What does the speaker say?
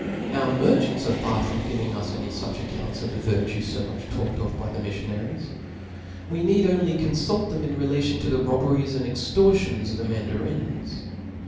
our merchants are far from giving us ' any fuch accounts of the virtue fo much talk ed of by the miffionaries; we need only con fult them in relation to the robberies and extor tions of the Mandarines